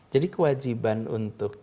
jadi kewajiban untuk